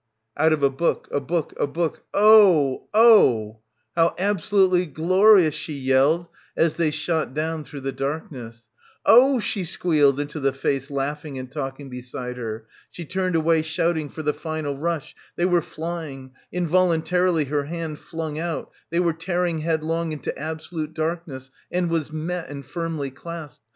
Out of a book a book a book — Oh — ooooh — how absolutely glorious, she yelled as they shot down through the darkness. OA, she squealed into the face laughing and talking beside her. She turned away, shouting, for the final rush, they were flying — involuntarily her hand flung out, they were tearing headlong into absolute darkness, and was met and firmly clasped.